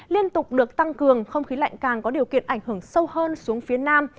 liên tục được tăng cường không khí lạnh càng có điều kiện ảnh hưởng sâu hơn xuống phía nam